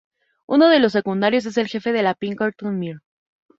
Uno de los secundarios es el jefe de la Pinkerton, Mr.